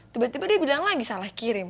tiba tiba dia bilang lagi salah kirim